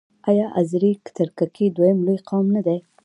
آیا آذری ترکګي دویم لوی قوم نه دی؟